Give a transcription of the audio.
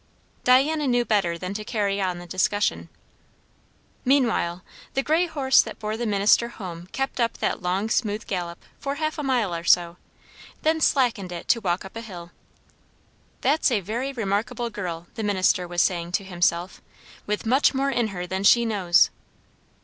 Diana knew better than to carry on the discussion. Meanwhile the grey horse that bore the minister home kept up that long smooth gallop for a half mile or so, then slackened it to walk up a hill. "That's a very remarkable girl," the minister was saying to himself; "with much more in her than she knows."